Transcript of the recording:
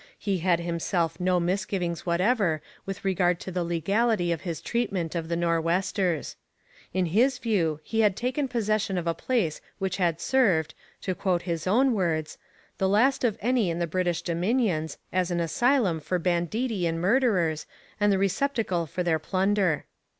He had himself no misgivings whatever with regard to the legality of his treatment of the Nor'westers. In his view he had taken possession of a place which had served, to quote his own words, 'the last of any in the British dominions, as an asylum for banditti and murderers, and the receptacle for their plunder.'